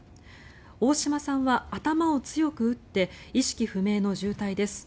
大島さんは頭を強く打って意識不明の重体です。